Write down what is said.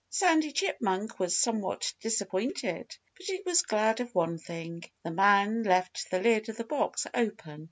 Sandy Chipmunk was somewhat disappointed. But he was glad of one thing: The man left the lid of the box open.